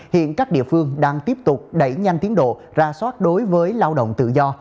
hiện các địa phương đang tiếp tục đẩy nhanh tiến độ ra soát đối với lao động tự do